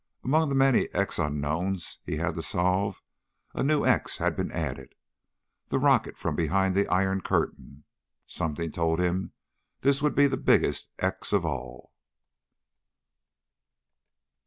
Among the many X unknowns he had to solve, a new X had been added; the rocket from behind the Iron Curtain. Something told him this would be the biggest X of all.